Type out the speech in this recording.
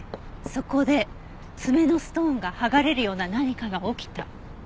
そこで爪のストーンが剥がれるような何かが起きた。